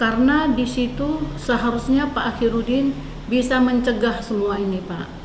karena di situ seharusnya pak akhirudin bisa mencegah semua ini pak